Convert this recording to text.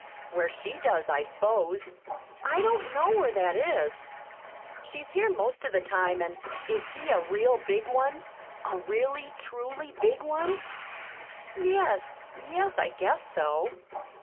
Where she does, I s'pose. I don't know where that is. She's here most of the time, and " "Is he a real big one? a really, truly big one?" "Yes, yes, I guess so."